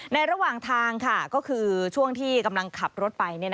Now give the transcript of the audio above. ระหว่างทางก็คือช่วงที่กำลังขับรถไป